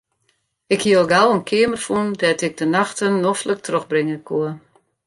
Ik hie al gau in keamer fûn dêr't ik de nachten noflik trochbringe koe.